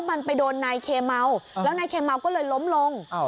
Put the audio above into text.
มันไปโดนนายเคเมาแล้วนายเคเมาก็เลยล้มลง